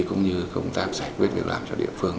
cũng như công tác giải quyết việc làm cho địa phương